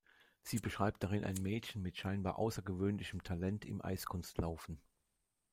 Sie beschreibt darin ein Mädchen mit scheinbar außergewöhnlichem Talent im Eiskunstlaufen.